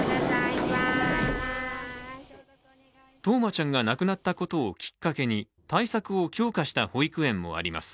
冬生ちゃんが亡くなったことをきっかけに対策を強化した保育園もあります。